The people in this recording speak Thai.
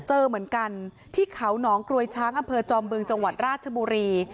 เจอเหมือนกันที่เขาหนองกรวยช้างอำเภอจอมบึงจังหวัดราชบุรี